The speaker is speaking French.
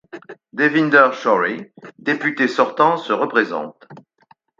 Devinder Shory, député sortant, se représente.